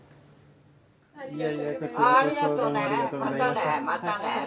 ありがとねまたねまたね。